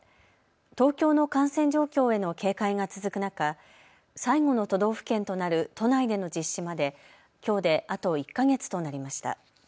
東京の感染状況への警戒が続く中、最後の都道府県となる都内での実施まできょうであと１か月となりました。